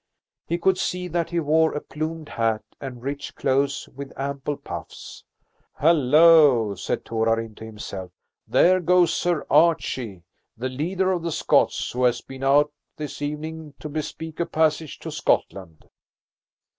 He could see that he wore a plumed hat and rich clothes with ample puffs. "Hallo!" said Torarin to himself; "there goes Sir Archie, the leader of the Scots, who has been out this evening to bespeak a passage to Scotland."